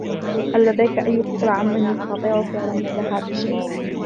هل لديك أي فكرة عن من يستطيع فعل مِثل هذا الشيء ؟